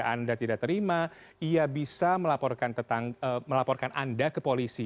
bila anda mengganggu tetangga bila tetangga anda tidak terima ia bisa melaporkan anda ke polisi